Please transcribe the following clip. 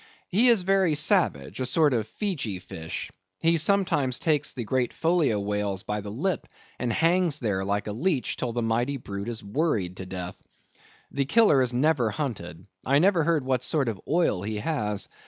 He is very savage—a sort of Feegee fish. He sometimes takes the great Folio whales by the lip, and hangs there like a leech, till the mighty brute is worried to death. The Killer is never hunted. I never heard what sort of oil he has.